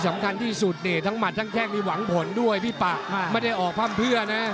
ไม่ได้ออกพร่ำเพื่อนะ